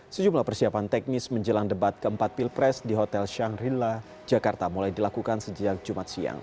sejumlah persiapan teknis menjelang debat keempat pilpres di hotel shangrilla jakarta mulai dilakukan sejak jumat siang